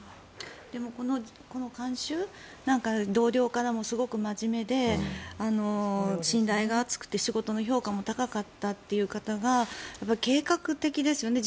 でも、この看守同僚からもすごく真面目で信頼が厚くて仕事の評価も高かったという方が計画的ですよね。